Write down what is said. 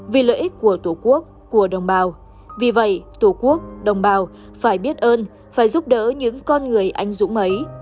vì lợi ích của tổ quốc của đồng bào vì vậy tổ quốc đồng bào phải biết ơn phải giúp đỡ những con người anh dũng ấy